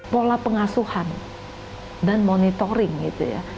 pola pengasuhan dan monitoring gitu ya